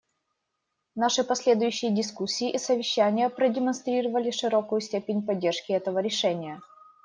Наши последующие дискуссии и совещания продемонстрировали широкую степень поддержки этого решения.